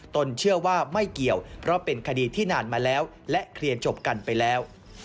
เชื่อว่าไม่เกี่ยวเพราะเป็นคดีที่นานมาแล้วและเคลียร์จบกันไปแล้ว